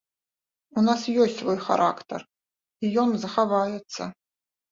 У нас ёсць свой характар, і ён захаваецца.